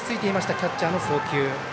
キャッチャーの送球。